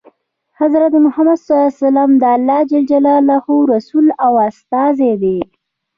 حضرت محمد ﷺ د الله ﷻ رسول او استازی دی.